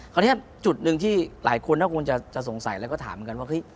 คราวนี้จุดหนึ่งที่หลายคนถ้าคุณจะสงสัยแล้วก็ถามกันว่า